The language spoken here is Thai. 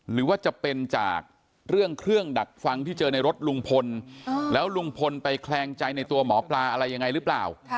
หรือว่าจะเป็นจากเรื่องเครื่องดักฟังที่เจอในรถลุงพลแล้วลุงพลไปแคลงใจในตัวหมอปลาอะไรยังไงหรือเปล่า